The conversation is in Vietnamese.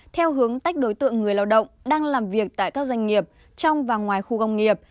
theo hướng tách đối tượng người lao động đang làm việc tại các doanh nghiệp trong và ngoài khu công nghiệp